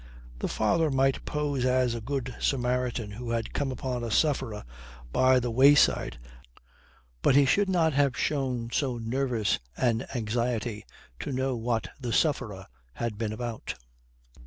The father might pose as a good Samaritan who had come upon a sufferer by the wayside, but he should not have shown so nervous an anxiety to know what the sufferer had been about.